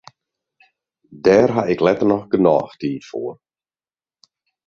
Dêr haw ik letter noch genôch tiid foar.